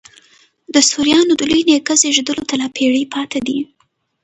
د سوریانو د لوی نیکه زېږېدلو ته لا پېړۍ پاته دي.